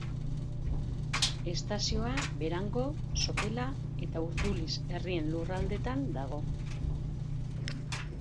Estazioa Berango, Sopela eta Urduliz herrien lurraldetan dago.